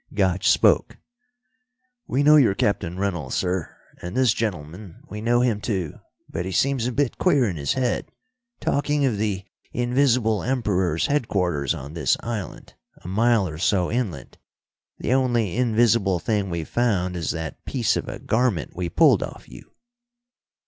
Gotch spoke: "We know you're Captain Rennell, sir. And this gentleman, we know him too, but he seems a bit queer in his head. Talking of the Invisible Emperor's headquarters on this island, a mile or so inland. The only invisible thing we've found is that piece of a garment we pulled off you."